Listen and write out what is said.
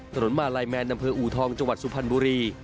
ถนนมาลัยแมนนำเผอูทองจังหวัดสุพรรณบุรี